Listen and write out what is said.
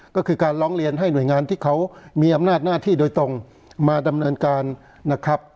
ก็คือการร้องเรียนให้หน่วยงานที่เขามีอำนาจหน้าที่โดยตรงมาดำเนินการนะครับ